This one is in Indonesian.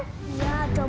kok ada bekas suntikan